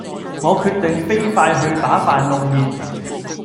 我決定飛快去把飯弄熱